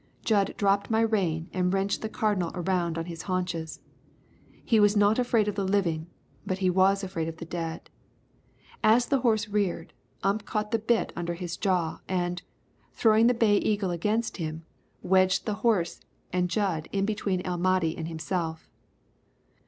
Jud dropped my rein and wrenched the Cardinal around on his haunches. He was not afraid of the living, but he was afraid of the dead. As the horse reared, Ump caught the bit under his jaw and, throwing the Bay Eagle against him, wedged the horse and Jud in between El Mahdi and himself.